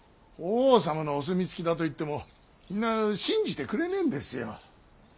法皇様のお墨付きだと言っても皆信じてくれねえんですよ。